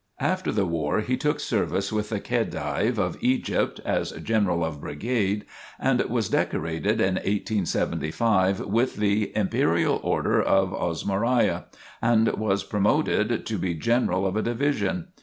After the war he took service with the Khedive of Egypt as General of Brigade and was decorated in 1875 with the "Imperial Order of Osmariah," and was promoted to be General of a Division.